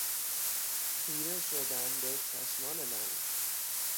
خیره شدن به چشمان من